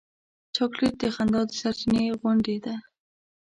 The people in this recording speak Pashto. چاکلېټ د خندا د سرچېنې غوندې دی.